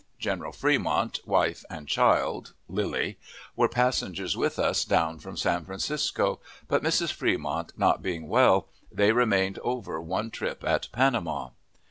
General Fremont, wife and child (Lillie) were passengers with us down from San Francisco; but Mrs. Fremont not being well, they remained over one trip at Panama.